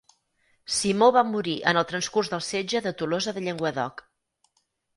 Simó va morir en el transcurs del setge de Tolosa de Llenguadoc.